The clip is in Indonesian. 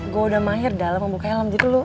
gue udah mahir dalam ngebuka helm gitu lo